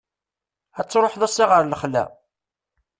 Ad truḥeḍ ass-a ɣer lexla?